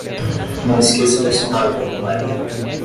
Não esqueça de assinar o formulário.